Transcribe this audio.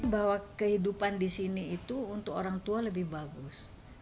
bahwa kehidupan di sini itu untuk orang tua lebih bagus